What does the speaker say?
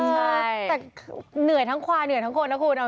ใช่แต่เหนื่อยทั้งควายเหนื่อยทั้งคนนะคุณ